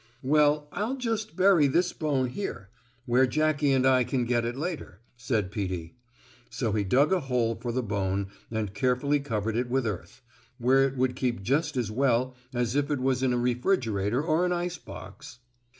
"Well, I'll just bury this bone here, where Jackie and I can get it later," said Peetie. So he dug a hole for the bone and carefully covered it with earth, where it would keep just as good as if it was in a refrigerator or an ice box.